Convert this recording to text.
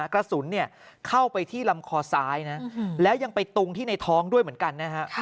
กระสุนเข้าไปที่ลำคอซ้ายนะแล้วยังไปตรงที่ในท้องด้วยเหมือนกันนะฮะ